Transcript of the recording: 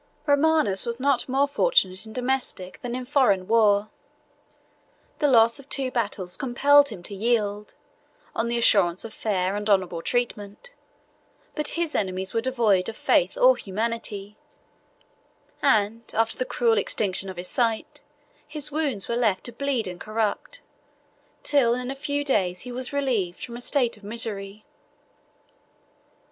Romanus was not more fortunate in domestic than in foreign war: the loss of two battles compelled him to yield, on the assurance of fair and honorable treatment; but his enemies were devoid of faith or humanity; and, after the cruel extinction of his sight, his wounds were left to bleed and corrupt, till in a few days he was relieved from a state of misery.